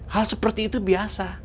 hal seperti itu biasa